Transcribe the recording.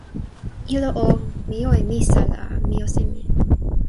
ilo o, mi jo e misa la mi o seme?